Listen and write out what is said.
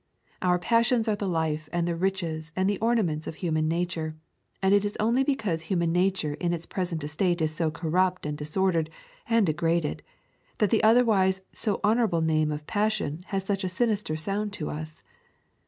Our passions are the life and the riches and the ornaments of human nature, and it is only because human nature in its present estate is so corrupt and disordered and degraded, that the otherwise so honourable name of passion has such a sinister sound to us.